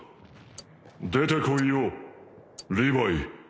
出てこいよリヴァイ。